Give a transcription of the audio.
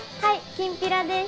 きんぴらです！